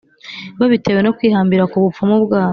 babitewe no kwihambira ku bupfumu bwabo,